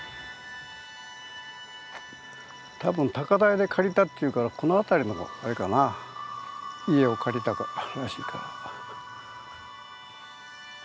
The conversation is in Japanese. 多分高台で借りたっていうからこの辺りのあれかな家を借りたらしいから。